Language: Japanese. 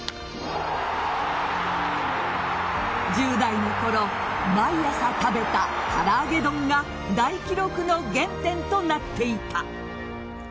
１０代の頃毎朝食べたからあげ丼が大記録の原点となっていた。